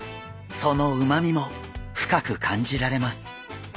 そのうまみも深く感じられます。